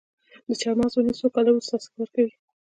د چهارمغز ونې څو کاله وروسته حاصل ورکوي؟